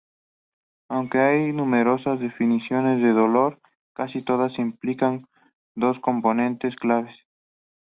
Aunque hay numerosas definiciones de dolor, casi todas implican dos componentes claves.